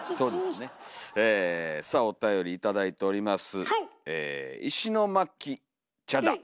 さあおたより頂いております。